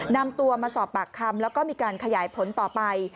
นำตัวมาสอบปากคำแล้วก็มีการขยายผลต่อไป